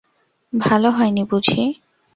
ভালো হয় নি বুঝি?